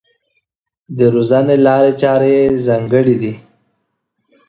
د روزنې لارې چارې یې ځانګړې دي.